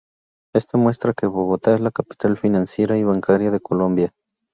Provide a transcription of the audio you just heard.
Esto muestra que Bogotá es la capital financiera y bancaria de Colombia.